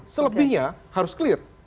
selebihnya harus clear